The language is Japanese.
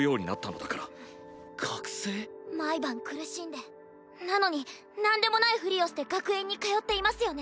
毎晩苦しんでなのになんでもないふりをして学園に通っていますよね。